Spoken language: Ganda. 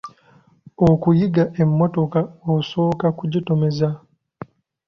Okuyiga emmotoka osooka kugitomeza.